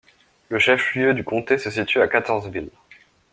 Le chef-lieu du comté se situe à Cartersville.